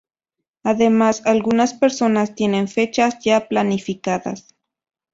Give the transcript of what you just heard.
Además, algunas personas tienen fechas ya planificadas.